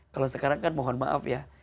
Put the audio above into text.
kalau sekarang kan mohon maaf ya